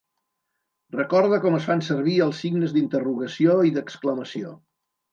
Recorde com es fan servir el signes d’interrogació i d'exclamació.